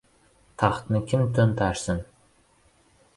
Taxtni kim to‘ntarsin?!